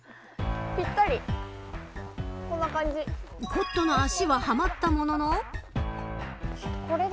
コットの足ははまったものの。